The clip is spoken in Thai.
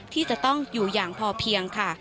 ที่จะต้องอยู่อย่างพอเพียงค่ะ